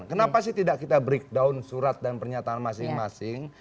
kenapa sih tidak kita breakdown surat dan pernyataan masing masing